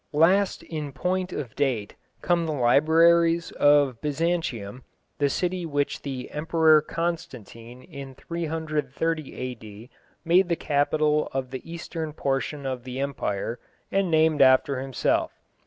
Last in point of date come the libraries of Byzantium, the city which the Emperor Constantine in 330 A.D. made the capital of the eastern portion of the empire, and named after himself.